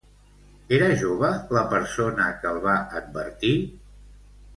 Era jove la persona que el va advertir?